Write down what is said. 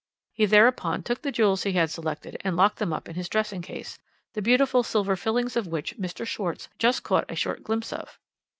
"He thereupon took the jewels he had selected and locked them up in his dressing case, the beautiful silver fillings of which Mr. Schwarz just caught a short glimpse of.